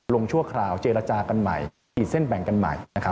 ชั่วคราวเจรจากันใหม่ขีดเส้นแบ่งกันใหม่นะครับ